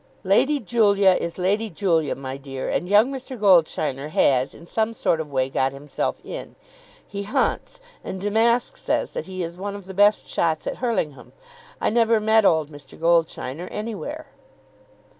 "Lady Julia is Lady Julia, my dear, and young Mr. Goldsheiner has, in some sort of way, got himself in. He hunts, and Damask says that he is one of the best shots at Hurlingham. I never met old Mr. Goldsheiner anywhere."